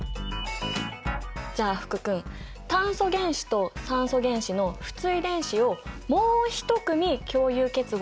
じゃあ福君炭素原子と酸素原子の不対電子をもう一組共有結合させてみたらどう？